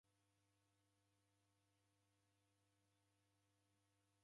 Jiwike kula na mwai wa w'andu.